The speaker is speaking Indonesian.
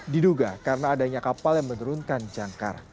diduga karena adanya kapal yang menurunkan jangkar